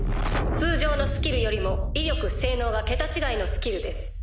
通常のスキルよりも威力性能が桁違いのスキルです。